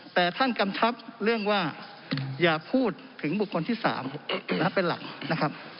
แต่ท่านกำชับเรื่องว่าอย่าพูดถึงบุคคลที่๓เป็นหลักนะครับ